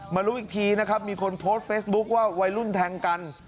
รู้อีกทีนะครับมีคนโพสต์เฟซบุ๊คว่าวัยรุ่นแทงกัน